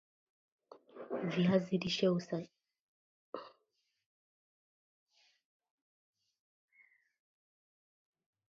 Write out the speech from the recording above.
viazi lishe husaidia watu wasizeeke haraka